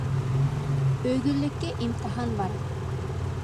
ئۆگۈنلۈككە ئىمتىھان بار.